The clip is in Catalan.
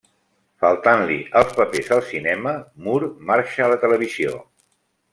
Faltant-li els papers al cinema, Moore marxa a la televisió.